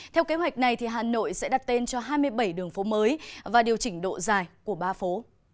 theo kế hoạch này hà nội sẽ đặt tên cho hai mươi bảy đường phố mới và điều chỉnh độ dài của ba phố